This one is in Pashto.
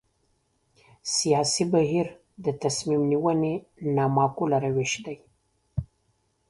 سیاسي بهیر د تصمیم نیونې نامعقول روش دی.